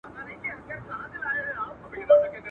کلي مو وسوځیږي.